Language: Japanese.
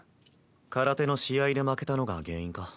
空手の試合で負けたのが原因か？